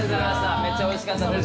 めっちゃおいしかったです。